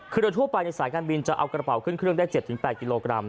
คือโดยทั่วไปในสายการบินจะเอากระเป๋าขึ้นเครื่องได้๗๘กิโลกรัม